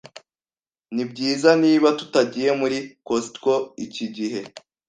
Nibyiza niba tutagiye muri Costco iki gihe?